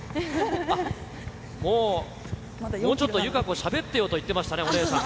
あっ、もう、もうちょっと友香子しゃべってよと言ってましたね、お姉さんが。